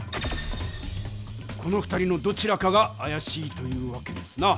この２人のどちらかがあやしいというわけですな。